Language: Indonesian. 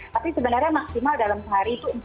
tapi sebenarnya maksimal dalam sehari itu